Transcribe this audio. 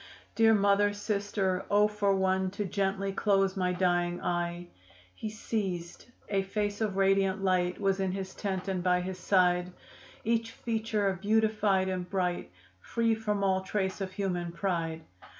Dear mother, sister, oh, for one To gently close my dying eye." He ceased; a face of radiant light Was in his tent and by his side; Each feature beautified and bright, Free from all trace of human pride.